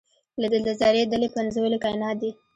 له ذرې دې پنځولي کاینات دي